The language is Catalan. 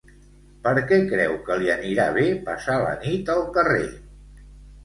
Per què creu que li anirà bé passar la nit al carrer?